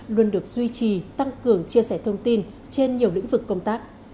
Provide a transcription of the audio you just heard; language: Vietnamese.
luôn được duy trì tăng cường chia sẻ thông tin trên nhiều lĩnh vực công tác